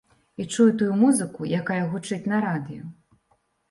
І чую тую музыку, якая гучыць на радыё.